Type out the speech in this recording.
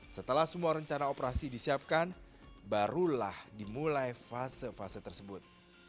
setelah semua rencana operasi disiapkan barulah dimulai fase fase tersebut